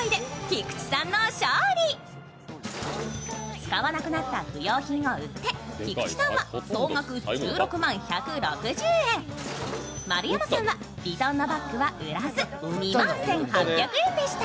使わなくなった不用品を売って菊地さんは総額１６万１６０円、丸山さんはヴィトンのバッグは売らず２万１８００円でした。